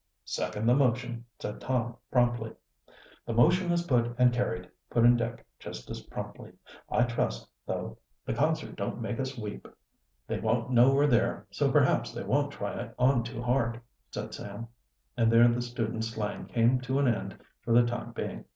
"Second the motion," said Tom promptly. "The motion is put and carried," put in Dick just as promptly. "I trust, though, the concert don't make us weep." "They won't know we're there, so perhaps they won't try it on too hard," said Sam, and there the students' slang came to an end for the time being.